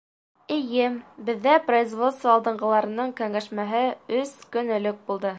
Эйе, беҙҙә производство алдынғыларының кәңәшмәһе өс көн элек булды.